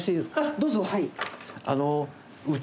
どうぞはい。